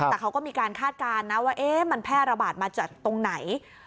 แต่เขาก็มีการคาดการณ์นะว่ามันแพร่ระบาดมาจากตรงไหน